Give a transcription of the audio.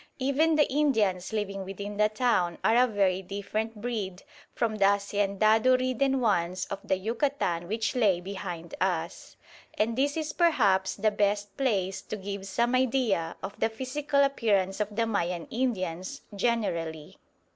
Even the Indians living within the town are a very different breed from the haciendado ridden ones of the Yucatan which lay behind us. And this is perhaps the best place to give some idea of the physical appearance of the Mayan Indians generally.